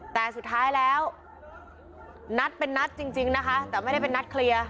แต่สุดท้ายแล้วนัดเป็นนัดจริงนะคะแต่ไม่ได้เป็นนัดเคลียร์